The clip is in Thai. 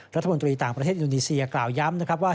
รัฐมนตรีต่างประเทศอินโดนีเซียกล่าวย้ำนะครับว่า